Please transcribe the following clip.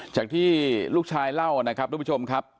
จากที่ลูกชายเล่านะครับทุกผู้ชมครับ